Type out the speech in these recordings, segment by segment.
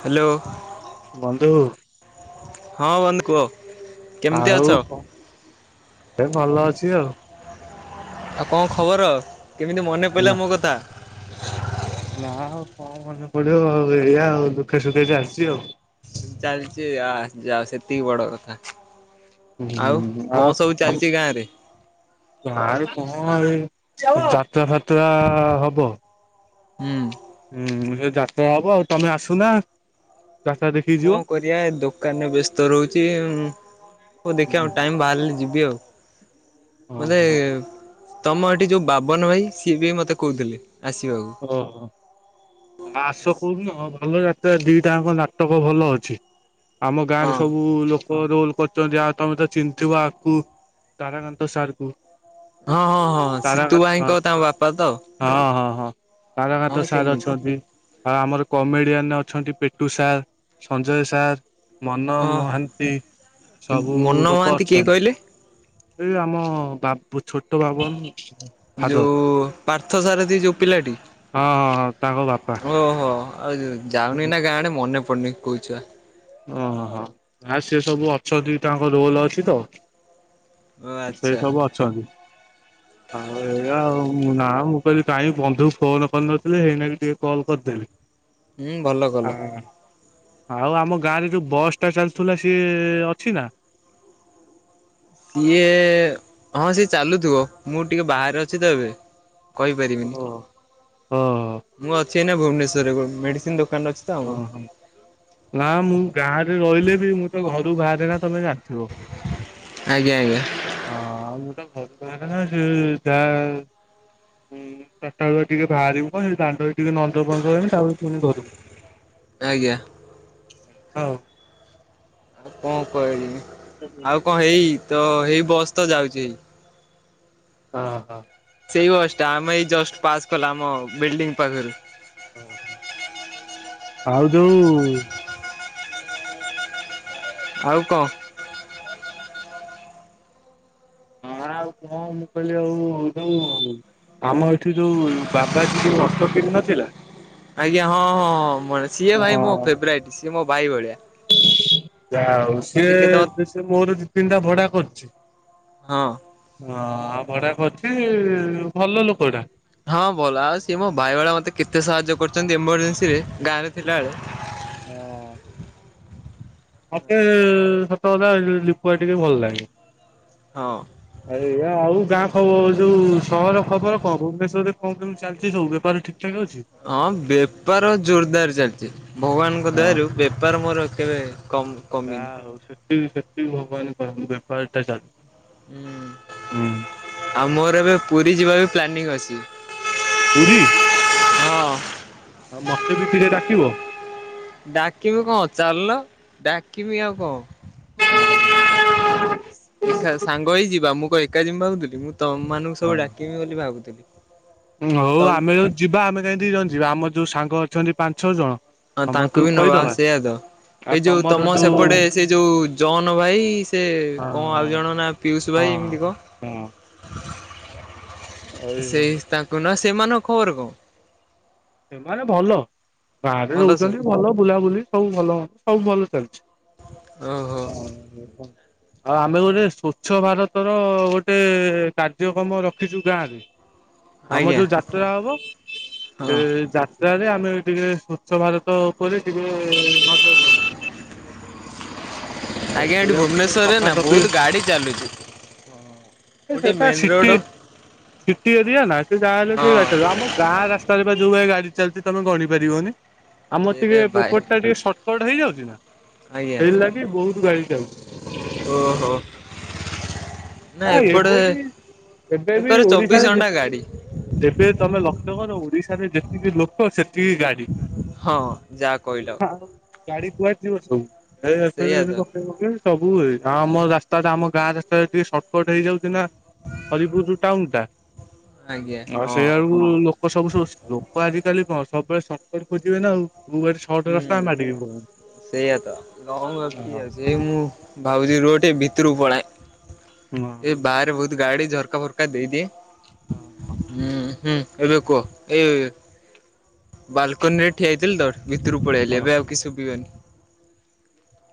Hello. ବନ୍ଧୁ। ହଁ ବନ୍ଧୁ କୁହ। କେମିତି ଅଛ? ଆଉ, ଏ ଭଲ ଅଛି ଆଉ। ଆଉ କଣ ଖବର? କେମିତି ମନେ ପଇଲା ହେଲା। ମୋ କଥା? ନା ଆଉ କଣ ମନେ ପଡିବ ଆଉ ଏଇଆ ଆଉ ଦୁଃଖେ ସୁଖେ ଚାଲିଚି ଆଉ। ଚାଲିଚି ଆ, ଯା ହଉ ସେତିିକି ବଡ଼ କଥା। ହୁଁ ଆଉ ଆଉ କଣ ସବୁ ଆମ ଚାଲିଚି ଗାଁ ରେ? ଗାଁରେ କଣ ଏଇ ଯାତ୍ରା ଫାତ୍ରା ହବ। ହୁଁ। ଉଁ, ସେଇ ଯାତ୍ରା ହବ ଆଉ ତୋମେ ଆସୁନା ଯାତ୍ରା ଦେ କଣ କରିବା ଦୋକାନରେ ବ୍ୟସ୍ତ ରହୁଚି ଆଉ। ହଉ ଦେଖିବା ଆଉ ଟାଇମ୍ ବାହାରିଲେ ଯିବି ଆଉ। ମୋତେ ଓହୋ ତୋମ ଏଠି ଯୋଉ ବାବନ ଭାଇ ସିଏ ବି ମୋତେ କହୁଥିଲେ ଆସିବାକୁ। ଓ ହଁ। ଆସ କୋଉ ଦିନ ଭଲ ଯାତ୍ରା ଦିଟା ଯାଙ୍କ ନାଟକ ଭଲ ଅଛି। ଆମ ହଁ ଗାଁରେ ସବୁ ଲୋ କ ରୋଲ୍ କରିଚନ୍ତି, ଆଉ ତୋମେ ତ ଚିନ୍ ଥିବ ଆକୁ ତାରାକାନ୍ତ ସାର୍ କୁ। ହଁ, ହଁ, ହଁ ସିତୁ ତାରାକାନ୍ତ ହଁ ଭାଇଙ୍କ ତାଙ୍କ ବାପା ତ? ହଁ ହଁ ହଁ ହଁ ତାରାକାନ୍ତ ସାର୍ ଚିହ୍ନିଛି। ଅଛନ୍ତି। ଆଉ ଆମର କମେଡ଼ିଆନ୍ ଅଛନ୍ତି ପେଟୁ ସାର୍ ସଞ୍ଜୟ ସାର୍ ମନ ହଁ ମହାନ୍ତି ସବୁ ମନ ଲୋକ ମହାନ୍ତି କିଏ କହିଲେ? ଅଛନ୍ତି। ଏଇ ଆମ ବାବ ଛୋଟ ବାବୁ ଫାଦର। ପାର୍ଥ ସାର ତିି ଯୋଉ ପିଲାଟି। ହଁ ହଁ ହଁ ତାଙ୍କ ବାପା ଓହୋ ଆଉ ଯାଉନି ନା ଗାଁ ଆଣେ ମନେ ପଡୁନି କୋଉ ଛୁଆ? ଓହୋ ନା ସି ସବୁ ଅଛନ୍ତି ତାଙ୍କ ରୋଲ ଅଛି ତ। ଓ ସେଇ ଆଚ୍ଛା ସବୁ ଅଛନ୍ତି ଆଉ ଏ ଆଉ ନାଁ ମୁଁ। କହିଲି କାଁ ବନ୍ଧୁ ଫୋନ କରିନଥିଲେ ହେଇନାକି ଟିକେ କଲ୍ କରିଦେଲି। ହୁଁ ଭଲ କଲ ହଁ ଆଉ ଆମ ଗାଁ ରେ ଯୋଉ ବସ୍ ଟା ଚାଲୁଥିଲା ସିଏ ଅଛି ନା? ଇଏ ହଁ ସିଏ ଚାଲୁଥିବ ମୁଁ ଟିକେ ବାହାରେ ଅଛି ତ ଏବେ। କହିପାରିବିନି ଓହୋ। ମୁଁ ଅଛି ଏନା ଭୁବନେଶ୍ୱରରେ ମେଡ଼ିସିନ ଦୋକାନରେ ଅଛି। ତ ଆମର। ଓହୋ ନା ମୁଁ ଗାଁ ରେ ରହିଲେ ବି ମୁଁ ତ ଘରୁ ବାହାରେ ନା ତମେ ଜା ଆଜ୍ଞା ଆଜ୍ଞା। ହଁ ଆଉ ମୁଁ ତ ଭଲ [unintelligible] ଯା। ଚାରିଟା ବେଳେ ଟିକେ ବାହାରିବୁ କ ଦାଣ୍ଡ ଟିକେ ନଜର ଫ୍ର ହେନି ତାପ ପୁଣି ଘରକୁ। ଆଜ୍ଞା। ଆଉ। ଆଉ କଣ କହିଲି ହଁ ଆଉ କଣ ହେଇ ତ ହେଇ ବସ୍‌ ତ ଯାଉଛି ଏଇ। ହଁ ହଁ। ସେଇ ବସ୍ ଟା ଆମେ ଏଇ ଜଷ୍ଟ ପାସ୍ କଲା ଆମ ବିଲ୍ ଡିଙ୍ଗ ପାଖରୁ। ଆଉ ଯୋଉ ଆଉ କଣ? ହଁ ଆଉ କହ ମୁଁ କହିଲି ଆଉ ହୋଉ। ଆମ ଏଠି ଯୋଉ ବାବାଜୀ ଯୋଉ ଅଟୋ କିଣି ନଥିଲା। ଆଜ୍ଞା ହଁ, ହଁଁ ମ ସିଏ ଭାଇ ମୋ ଫେବରାଇଟ, ସିଏ ମୋ ଭାଇ ଭଳିଆ। ଯାହାହୋଉ, ସେ କେତେ ସିଏ ସେ ମୋର ଦିଇତିନିଟା ଭଡା କରୁଛି। ହଁ। ହଁ ଭଡା କରିଛି ଭଲ ଲୋକ ଟା। ହଁ ଭଲା, ସିଏ ମୋ ଭାଇଭଳିଆ ମତେ କେତେ ସାହାଯ୍ୟ କରିଛନ୍ତି ଏମରଜେନ୍ସିରେ, ଗାଁ ରେ ଥିଲାବେଳେ। ହଁ। ମତେ ସତକଥା ଯେ ଲିପୁଆ ଟିକେ ଭଲ ଲାଗେ। ହଁ। ଆଜ୍ଞା, ଆଉ ଗାଁ ଖବର ଯୋଉ ସହର ଖବର କଣ? ଭୁବନେଶ୍ଵରରେ କଣ କେମିତି ଚାଲିଛି ସବୁ? ବେପାର ଠିକ୍ ଠିକ୍ ଅଛି। ହଁ, ବେପାର ଜୋରଦାର ଚାଲିଛି। ଭଗବାନଙ୍କ ହଁ। ଦୟାରୁ ବେପାର ମୋର ଏତେ କମ୍ ଯା କମିନି। ହଉ ସେତିକି ସେତିକି ଭଗବାନ କରନ୍ତୁ, ବେପାରଟା ଚାଲୁ। ହୁଁ ହୁଁ ଆଉ ମୋର ଏବେ ପୁରୀ ଯିବାବି ପ୍ଲାନିଂ ଅଛି। ପୁରୀ? ହଁ। ଆଉ ମତେବି ଟିକେ ଡାକିବ। ଡାକିବି କଣ ଚାଲୁନ ଡାକିବି ଆଉ କଣ। ଏକା ସାଙ୍ଗ ହେଇ ଯିବା ମୁଁ କଣ ଏକା ଜିମି ଭାବୁଥିଲି ମୁଁ ତମମାନଙ୍କୁ ସବୁ ଡାକିମି ବୋଲି ଭାବୁଥିଲି। ହୋଉ ତମ୍ ଆମେ ଜଦି ଯିବା ଆମେ କାହିଁକି ଦିଜଣ ଯିବା ଆମର ଯୋଉ ସାଙ୍ଗ ଅଛନ୍ତି ପାଞ୍ଚ ଛଅ ଜଣ। ହଁ ତାଙ୍କୁ ସମସ୍ତଙ୍କୁ ବି ନବା, କହିଦବା ସେଇଆତ। ଆଉ ଏଇ ଯୋଉ ତମର ତମ ହଁ ସେପଟେ ସେ ଯୋଉ ଜନଭାଇ ସେ ହଁ କଣ ଆଉ ଜଣଙ୍କ ନାଁ? ପିୟୁଷ ଭାଇ ଏମିତି କଣ? ହଁ। ଆଉ ସେଇ ତାଙ୍କ ନାଁ ସେମାନଙ୍କ ଖବର କଣ? ସେମାନେ ଭଲ ବାହରେ ଭଲ ସବୁ ରହୁଛନ୍ତି ଭଲ ବୁଲାବୁଲି। ସବୁ ଭଲ ସବୁ ଭଲ ଓହୋ ଚାଲିଛି। ଆଉ ଆମେ ଗୋଟେ ସ୍ଵଚ୍ଛ ଭାରତର ଗୋଟେ କାର୍ଯ୍ୟକ୍ରମ ରଖିଛୁ ଗାଁରେ। ଆମ ଆଜ୍ଞା ଯୋଉ ଯାତ୍ରା ହବ ସେ ହଁ ଯା ଏଠାରେ ଆମେ ଟିକେ ସ୍ଵଚ୍ଛ ଭାରତ ଉପରେ ଟିକେ [inaudible] ହଁ ଆଉ ଆଜ୍ଞା ଏଠି ସେଆକୁ ଟିକେ ଭୁବନେଶ୍ୱରରେ ନା ସଫାସଫି ବହୁତ ଗାଡି ଚାଲୁଛି ହଁ ଗୋଟେ ସେଟା ମେନ୍ ରୋଡ ସିଟି ସିଟି ଏରିଆନା ସେ ଯାହା ହେଲେଵି ହଁ ଗାଡ଼ି ଆମ ଗାଁ ରାସ୍ତାରେବା ଯଉଭଳିଆ ଗାଡି ଚାଲିଛି ତମେ ଗଣିପାରିବନି। ଆମର ଟିକେ ଏରେ ଭାଇ ଏପଟଟା ଟିକେ ସଟକଟ ହେଇଯାଉଛି ନା ଆଜ୍ଞା ସେଇଥିଲାଗି ବହୁତ ଗାଡି ଚାଲୁଛି। ଓହୋ ନା ଏପଟେ ଏବେ ବି ଏବେ ବି ଏକରେ ଓଡିଶାରେ ଚବିଶ ଘଣ୍ଟା ଯେତିକି ଗାଡି। ଏବେ ତମେ ଲକ୍ଷ୍ୟ କର ଓଡିଶାରେ ଯେତିକି ଲୋକ ସେତିକି ଗାଡି। ଯା କହିଲ। ହଁ ଗାଡି କୁଆଡ ଯିବ ସବୁ ଏ ସେଇଆ ତ [inaudible] ପକେଇ ସବୁ ହୁଏ ଆମ ରାସ୍ତାଟା ଆମ ଗାଁ ରାସ୍ତାରେ ଟିକେ ସଟ ସେପଟେ ହେଇଯାଉଚିନା ହରିପୁର ଯୋଉ ଟାଉନଟା ଆଜ୍ଞା ଆ ହଁ ହଁ ସେଇଆଡକୁ ଲୋକ ଲୋକ ସବୁ ସବୁ ଲୋକ ଆଜିକାଲି କଣ ସବୁବେଳେ ସଟକଟ ଖୋଜିବେ ନା ଆଉ ଭୂବନେଶ୍ଵ ହୁଁ ସେଇଆାତ ନହୋଉ ଆଉ ହଁ କିଏ ଅଛି? ଏ ମୁଁ ଭାବୁଛି ରୋଟେ ଭିତରକୁ ପଳାଏ। ଉଆଁ। ଏ ବାହାରେ ବହୁତ ଗାଡି ଝରକା ଫରକା ଦେଇଦିଏ। ହଁ ହଁ। ହୁଁ ହୁଁ ଏବେ କୁହ। ଏ ବାଲକୁନି ରେ ଠିଆ ହୋଇଥିଲି ତ ଭିତରୁକୁ ପଳେଇଆଇଲି ହଁ। ଏବେ ଆଉ କିଛି ଶୁଭିବନି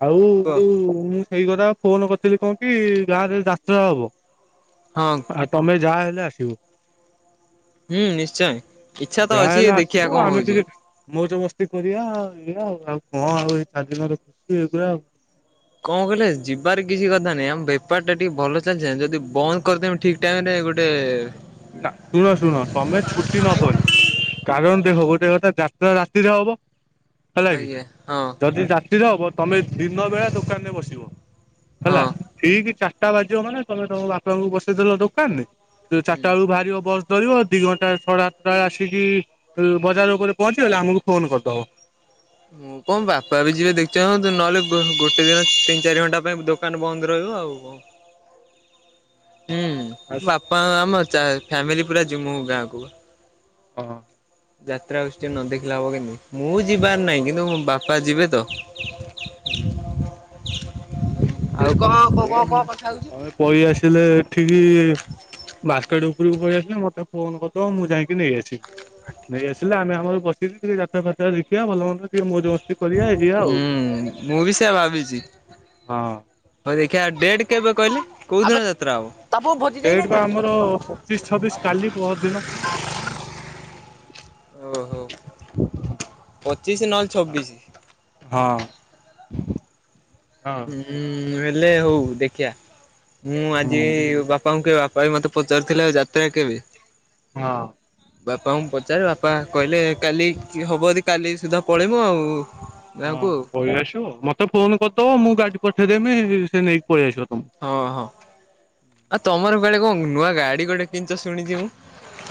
ଆଉ କୁହ ଯୋଉ ମୁଁ ସେଇ କଥା ଫୋନ କରିଥିଲି କଣ କି ଗାଁ ରେ ଯାତ୍ରା ହବ। ହଁ। ଆଉ ତମେ ଯାହାହଲେ ଆସିବ। ହୁଁ ନିଶ୍ଚୟ। ଇଚ୍ଛା ତ ଅଛି ଯାହାହଲେ ଦେଖିବା ଆସିବ କଣ ଆମେ ହଉଛି। ଟିକେ ମୋଜ ମସ୍ତି କରିବାଉ ଆଉ ଆଉ କଣ ଆଉ ଏଇ ଚାରି ଦିନର ଖୁସି ଏଇଗୁା ଆଉ କଣ କହିଲେ ଯିବାର କିଛି କଥା ନାଇଁ ଆମ ବେପାର ଟା ଟିକେ ଭଲ ଚାଲିଛି ଯଦି ବନ୍ଦ କରିଦେମ ଠିକ୍ ଟାଇମ ରେ ଗୋଟେ ଶୁଣ ଶୁଣ ତମେ ଛୁଟି ନବନି। କାରଣ ଦେଖ ଗୋଟେ କଥା ଯାତ୍ରା ରାତିରେ ହବ ହେଲା କିି ଆଜ୍ଞା ହଁ ଯଦି ରାତିରେ ହବ ତମେ ଦିନ ବେଳା ଦୋକାନରେ ବସିବ। ହେଲା ହଁ ଠିକ ଚାରିଟା ବାଜିବ ମାନେ ତମେ ତମ ବାପାଙ୍କୁ ବସେଇଦେଲ ଦୋକାନରେ ଟା ହୁଁ। ବେଳକୁ ବାହାରିବ ବ ଧରିବ ଦି ଘଣ୍ଟା ସାଢ଼େ ଆଠଟା ଆସିକି ବଜାର ଉପରେ ପହଞ୍ଚିଗଲେ ଆମକୁ ଫୋନ କରଦେବ। ମୁଁ କଣ ବାପା ବି ଯିବେ ଦେଖିଆ ନହେଲେ ଗୋଟେ ଦିନ ତିନି ଚାରି ଘଣ୍ଟା ପାଇଁ ଦୋକାନ ବନ୍ଦ ରହିବ ଆଉ କଣ। ହୁଁ ବାସ୍ ବାପା ଆମ ଚା ଫ୍ୟାମିଲି ପୁରା ଯମୁ ଗାଁକୁୁ ହଁ। ଯାତ୍ରା ଆସ୍ଚି ନ ଦେଖିଲେ ହବ କେମତି ମୁଁ ଯିବାର ନାହିଁ କିନ୍ତୁ ମୋ ବାପା ଯିବେ ତ? ହୁଁ। ଆଉ କଣ କ କହ କଣ କଥା ହଉଛି? ତମେ ପଳେଇ ଆସିଲେ ଏଠିକି ମାର୍କେଟ୍ ଉପରକୁ ପଳେଇ ଆସିଲେ ମତେ ଫୋନ କରିଦବ ମୁଁ ଯାଇକି କି ନେଇ ଆସିବି ନେଇ ଆସିଲେ ଆମେ ଆମର ବସିକି ଟିକେ ଯାତ୍ରା ଫାତ୍ରା ଦେଖିବା ଭଲ ମନ୍ଦ ଟେ ମଜ ମସ୍ତି କରିବା ଏଇ ଯିବା ଆଉ ହୁଁ ମୁଁ ବି ସେୟା ଭାବିଛି ହଁ। ହଉ ଦେଖିବା ଡେଟ୍ କେବେ କହିଲେ କୋଉଦିନ ଯାତ୍ରା ହବ। ତମକୁ ଭୋଜି ଡେଟ୍ ଦେଇନାହାନ୍ତି ବା ଆଉ। ଆମର ପଚିଶ ଛବିଶ କାଲି ପହର୍ ଦିନ। ଓହୋ ପଚିଶ ନହେଲେ ଛବିଶି। ହଁ। ହଁ ହୁଁ ହେଲେ ହଉ ଦେଖିବା ମୁଁ ଆଜି ହୁଁ ବାପା ଙ୍କୁ କେବେ ବାପା ବି ମତେ ପଚାରିଥିଲେ ଆଉ ଯାତ୍ରା କେବେ? ହଁ। ବାପାଙ୍କୁ ପଚାରେ ବାପା କହିଲେ କାଲି ହବ ଯଦି କାଲି ସୁଧା ପଳେଇମୁ ଆଉ। ହଁ ଗାଁକୁ ପଳେଇ ଆସିବ ମତେ ଫୋନ କରିଦବ ମୁଁ ଗାଡି ପଠେଇଦେମି ସେ ନେଇକି ପଳେଇ ଆସିବ ତମକୁ। ହଁ ହଁ ଆଉ ତମର କୁଆଡେ କଣ ନୂଆ ଗାଡି ଗୋଟେ କିଣିଛ ଶୁଣିଛି ମୁଁ?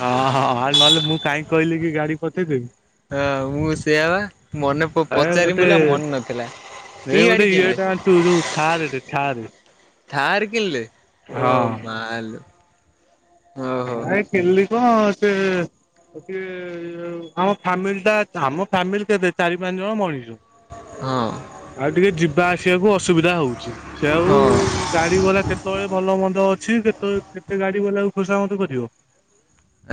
ହଁ ହଁ ଆ ନହେଲେ ମୁଁ କାହିଁକ କହିଲି କି ଗାଡି ପଠେଇଦେବି। ହଁ ମୁଁ ସେୟା ବା ମନେ ପଚାରିବି ବୋଲି ଆଉ ମନେ ନଥିଲା। କି ଏଇ ଗାଡି ଗୋଟେ ଇଏ କିଣିଲେ ଟା ଆଣିଛୁ ଯୋଉ ଥାରେ ରେ ଥାରେ। ଥାର୍ କିଣିଲେ ଓ ମାଲୋ। ଓହୋ ନାଇଁ କିଣିଲି କଣ ସେ କେ ଆମ ଫ୍ୟାମିଲ ଟା ଆମ ଫାମିଲ କେତେ ଚାରି ପାଞ୍ଚ ଜଣ ମଣିଷ। ହଁ। ଆଉ ଟିକେ ଯିବା ଆସିବାକୁ ଅସୁବିଧା ହଉଛି। ସେ ଆଉ ହଁ ଗାଡି ଗଲା କେତେବେଳେ ଭଲ ମନ୍ଦ ଅଛି କେତେଳେ କେତେ ଗାଡି ବାଲା ଖୋସାମତ କରିବ।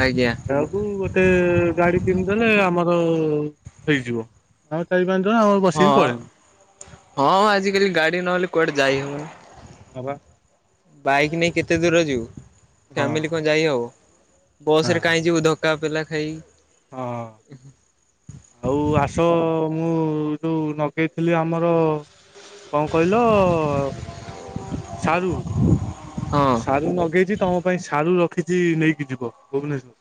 ଆଜ୍ଞା। ଆଙ୍କୁ ଗୋଟେ ଗାଡି କିଣିଦଲେ ଆମର ହେଇଯିବ, ଆଉ ଚାରି ପାଞ୍ଚ ଜଣ ଆମର ହଁ ବସିକି ପଳେଇବୁ ହଁ ଆଜିକାଲି ଗାଡି ନହେଲେ କୁଆଡେ ଯାଇ ହଉନି। ହଁବା। ବାଇକ୍ ନେଇ କେତେ ଦୂର ଯିବୁ ଫ୍ୟାମିଲି ହଁ କଣ ଯାଇ ହବ, ନା ବସ ରେ କାହିଁ ଯିବୁ ଧକ୍ କା ପେଲା ଖାଇ। ହଁ। ଆଉ ଆସ ମୁଁ ଯୋଉ ନଗେଇଥିଲି ଆମର କଣ କହିଲ ସାରୁ। ହଁ। ସାରୁ ଲଗେଇଛି ତୁମ ପାଇଁ ସାରୁ ରଖିଛି ନେଇକି ଯିବ ଭୁବନେଶ୍ୱର।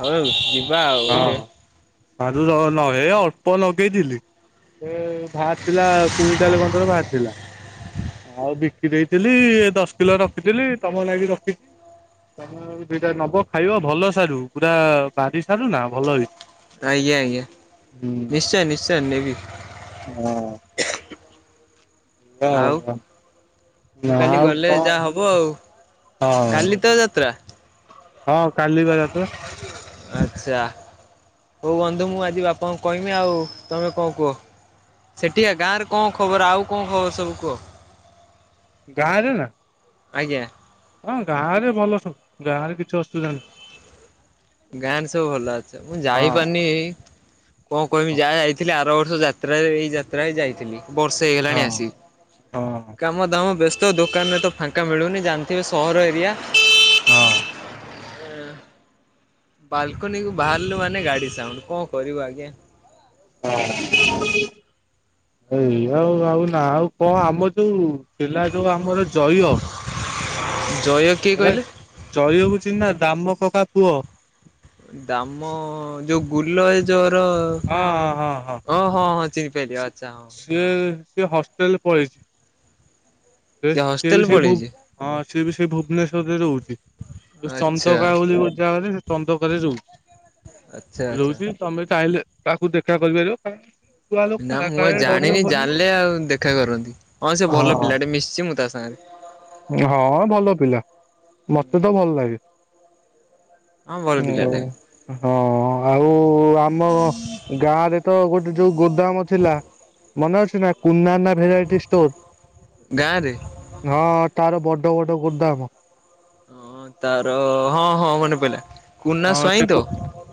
ହଉ ଯିବା ଆଉ ଏତେ ସରୁ ଲ ନ ଏ ଅଳ୍ପ ଲଗେଇଥିଲି। ଏ ବାହାରି ଥିଲା କୁଇଣ୍ଟାଲ ପନ୍ଦର ବାହାରି ଥିଲା। ଆଉ ବିକି ଦେଇଥିଲି ଦଶ କିଲୋ ରଖିଥିଲି ତମ ଲାଗି ରଖିଛି। ତମେ ଦିଟା ନବ ଖାଇବ, ଭଲ ସାରୁ ପୁରା ବାରି ସାରୁ ନା ଭଲ ହେଇଛି। ଆଜ୍ଞା ଆଜ୍ଞା ହୁଁ ନିଶ୍ଚୟ ନିଶ୍ଚୟ ନେବି। ହଁ। ଆଉ [unintelligible] ମୁଁ ନା କାଲି ଆଉ ଗଲେ ଯାହା କଣ ହବ ଆଉ ହଁ। କାଲି ତ ଯାତ୍ରା ହଁ କାଲିିବା ଯାତ୍ରା। ଆଚ୍ଛା ହଉ ବନ୍ଧୁ ମୁଁ ଆଜି ବାପାଙ୍କୁ କହିବି ଆଉ ତମେ କଣ କୁହ? ସେଠିକା ଗାଁରେ କଣ ଖବର ଆଉ କଣ ଖବର ସବୁ କୁହ? ଗାଁରେ ନା? ଆଜ୍ଞା। ହଁ ଗାଁ ରେ ଭଲ ସବୁ ଗାଁ ରେ କିଛି ଅସୁବିଧା ନାଁହି। ଗାଁରେ ସବୁ ଭଲ ଅଛ ମୁଁ ଯାଇ ହଁ ପାରୁିନି ଏଇ କଣ କହମି ଯାହା ଯାଇଥିଲି ଆର ବର୍ଷ ଯାତ୍ରାରେ ଏଇ ଯାତ୍ରା ହି ଯାଇଥିଲି। ବର୍ଷେ ହଁ ହେଇଗଲାଣି ଆସି କାମ ଦାମ ବସ୍ତ ତ ଦୋକାନରେ ତ ଫାଙ୍କା ମିଳୁନି ଜାଣିଥିବେ ସହର ଏରିଆ। ହଁ। ବାଲକୁନି କୁ ବାହାରିଲୁ ମାନେ ଗାଡ଼ି ସାଉଣ୍ଡ କଣ କରିବୁ ଆଜ୍ଞା? ହଁ ଏଇ ଆଉ ଆଉ ନା ଆଉ କଣ ଆମର ଯୋଉ ଥିଲା ଯୋଉ ଆମର ଜୟ ଜୟକ୍ ହେଲା ଜୟକୁ ଚିନିନ ଦାମ କକା ପୁଅ। ଦାମ ଯୋଉ ଗୁଲ ଜେଜ ହର ହଁ ହଁ ହଁ। ଚିନି ପାଇଲି ଆଚ୍ଛା ହଁ। ସିଏ ସିଏ ହଷ୍ଟେଲେ ପଳେଇଛି ସେ ସିଏ ହଷ୍ଟେଲ ସିଏବି ସେଇ ଭୁ ପଳେଇଛି ହଁ ସିଏ ବି ସେଇ ଭୁବନେଶ୍ଵରେ ରହୁଛି ଯଉ ଆଚ୍ଛା ଚନ୍ଦକା ବୋଲି ଗୋଟେ ଜାଗାରେ। ଚନ୍ଦକାରେ ରହୁଛି ଆଚ୍ଛା ଆଚ୍ଛା। ରହୁଛି ତମେ ଚାହିଁଲେ ତାକୁ ଦେଖା କରିପାରିବ। ଛୁଆ ଲୋକ ନା ମୁଁ ଆ କାଳେ ଡରିବ ଜାଣିନି ଫରିବ। ଜାଣିଲେ ଆଉ ଦେଖା କରନ୍ତି ହଁ ସେ ଭଲ ହଁ ପିଲାଟେ ମିଶିଛି ମୁଁ ତା ସାଙ୍ଗରେ। ହଁ ଭଲ ପିଲା ମତେ ତ ଭଲ ଲାଗେ। ହଁ ଭଲ ପିଲାଟେ ମୁଅର ହଁ ଆଉ ଆ ମ ଗାଁ ରେ ତ ଗୋଟେ ଯୋଉ ଗୋଦାମ ଥିଲା ମନେ ଅଛି ନା? କୁନାନା ଭେରାଇଟି ଷ୍ଟୋର ଗାଁରେ ହଁ। ତାର ବଡ଼ ବଡ଼ ଗୋଦାମ। ହଁ ତାର ହଁ ହଁ ମନେ ପଇଲା। କୁନା ହଁ ସ୍ୱାଇଁ ସେ ତ କୁ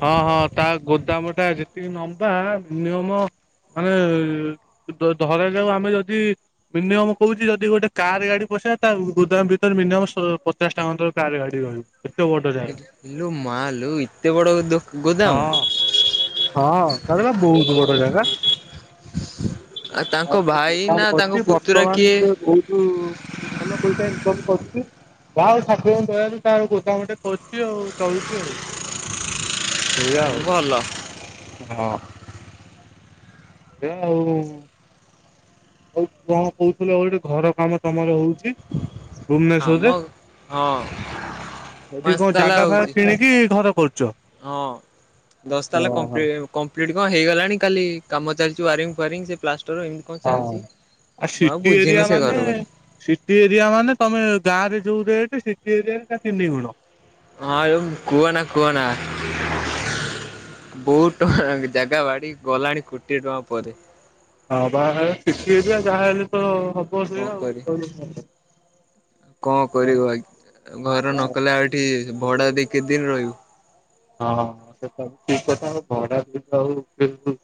ହଁ ହଁ ତା ଗୋଦାମ ଟା ଯେତିକି ନମ୍ବା ମିନୀମମ ମାନେ ଧ ଧରାଯାଉ ଆମେ ଯଦି ମିନିମମ୍ କହୁଛି ଯଦି ଗୋଟେ କାର ଗାଡ଼ି ପସେ ତା ଗୋଦାମ ଭିତରେ ମିନିମମ୍ ସ ପଚାଶଟା ଖଣ୍ଡେ କାର ଗାଡ଼ି ରହିବ। ଏତେ ବଡ଼ ଜାଗା। ଇଲୋ ମା ଲୋ ଏତେ ବଡ଼ ଦୋ ଗୋଦାମ। ହଁ ହଁ ତାରପା ବୋହୁତ୍ ବଡ଼ ଜାଗା। ଆଉ ତାଙ୍କ ହଁ ସେ ଭାଇ ନା ଗୋଦାମ୍ ତାଙ୍କ କରିଛି ପୁତୁରା ବର୍ତ୍ତମାନ କିଏ ସେ ବୋହୁତୁ ଭଲ ପଇସା ଇନକମ୍ କରୁଚି ଯାହା ହଉ ଠାକୁରଙ୍କ ଦୟାରୁ ତା ଗୋଦାମଟେ କରିଚି ଆଉ। ଚଳୁଚି ଆଉ ସେଇଆ ଆଉ। ଭଲ। ହଁ। ଏୟା ଆଉ ଆଉ କଣ କହୁଥିଲ ଗୋଟେ ଘର କାମ ତମର ହଉ ଚି ଆମ ଭୁବନେଶ୍ଵରେ ହଁ ହେଠି ପାଞ୍ଚ କଣ ତାଲା ଜାଗା ହଉଛି। ଫାଗା କିଣି କି ଘର କରୁଚ? ହଁ ଦଶ ତାଲା କମ୍ପ୍ଲି କମ୍ପ୍ଲିଟ୍ କଣ ହେଇଗଲାଣି କାଲି କାମ ଚାଲିିଚି ୱାରିଙ୍ଗ୍ ଫ୍ୱାରିଙ୍ଗ୍ ସେ ପ୍ଲାଷ୍ଟର ଏମ୍ ହଁ ଆ ସିଟି ଏରିଆ ସେ ଘର ମାନେ କଥା ସିଟି ଏରିଆ ମାନେ ତମେ ଗାଁରେ ଯୋଉ ରେଟେ ସିଟି ଏରିଆରେ ତା ତିନି ଗୁଣ। ହଁ ଆଉ କୁହନା କୁହନା। ବହୁତ ଟଙ୍କା ଜାଗା ବାଡ଼ି ଗଲାଣି କୋଟିଏ ଟଙ୍କା ପରେ। ହଁ ବାହାର ସିଟି ଏରିଆ ଯାହାହେଲେ ତ ହ କଣ କରି କଣ କରିବୁ ଆଉ। ଆଇ ଘର ନକଲେ ଆ ଟି ଭଡ଼ା ଦେଇ କେତେ ଦିନି ରହିବୁ? ହଁ ସେଟା ବି ଠିକ କଥା [unintelligible]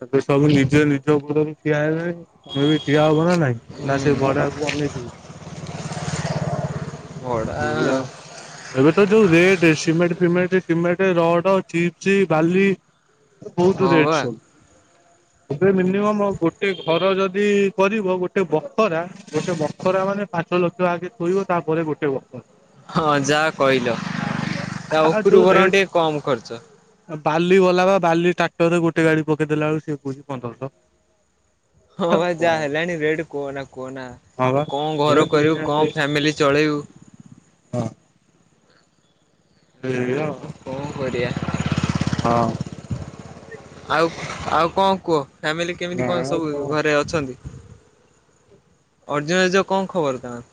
ତା ପ ସବୁ ନିଜେ ନିଜ ଉପରକୁ ଠିଆ ହେଲେଣି ତମେ ବି ଠିଆ ହବ ନା ନାଇଁ। ନା ସେ ହୁଁ ଭଡ଼ାକୁ ଅନେଇଥିବୁ। ଭଡା ହେଲୋ। ଏବେ ତ ଯୋଉ ରେଟେ ସିମେଣ୍ଟ ଫିମେଣ୍ଟ ସିମେଣ୍ଟ ରଡ଼ ଚିପ୍ସି ବାଲି। ବହୁତ ହଁ ରେଟ୍ ବା। ସବୁ ଏବେ ହୁଁ ମିନିମମ୍ ଗୋ ଟେ ଘର ଯଦି କରିବ ଗୋଟେ ବଖରା ଗୋଟେ ବଖରା ମାନେ ପାଞ୍ଚ ଲକ୍ଷ ଆଗେ ଥୋଇବ ତାପରେ ଗୋଟେ ବଖ ହଁ ଯାହା କହିଲ ତା ଆଉ ଓପୁରୁ ଯୋଉ ବରଂ ରେଟ୍ ଟିକେ କମ ଖର୍ଚ୍ଚ। ବାଲି ବାଲା ବା ବାଲି ଟ୍ରାକ୍ଟର ରେ ଗୋଟେ ଗାଡି ପକେଇଦେଲା ବେଳକୁ ସିଏ କହୁଚି ପନ୍ଦରଶହ। ହଁ ଭାଇ ଯାହା କଣ ହେଲାଣି ରେଟ କୁହନା କୁହନା ହଁ ବା ତୁ କଣ ଏ ଘର ଦୁନିଆ କରିବୁ କଣ ଫ୍ୟାମିଲି ଚଲେଇବୁ। ହଁ। ଏଇଆ ଆଉ। କଣ କରିବା। ହଁ। ଆଉ ଆଉ କଣ କୁହ। ଫ୍ୟାମିଲି ନା କେମିତି କଣ ଆଉ ସବୁ ଘରେ ଅଛନ୍ତି। ଅର୍ଜୁ ରାଜ କଣ ଖବର ତାର।